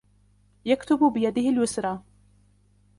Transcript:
يكتب بيده اليسرى.